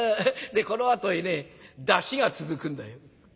でこのあとへね山車が続くんだよ」。